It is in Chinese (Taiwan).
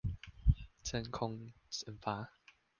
真空蒸發